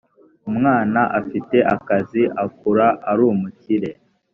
umwana afite akazi akura arumukire.